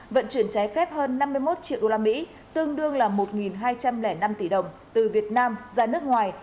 vận chuyển trái phép hơn năm mươi một triệu usd tương đương là một hai trăm linh năm tỷ đồng từ việt nam ra nước ngoài